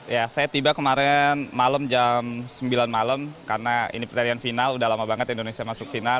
ya saya tiba kemarin malam jam sembilan malam karena ini pertandingan final udah lama banget indonesia masuk final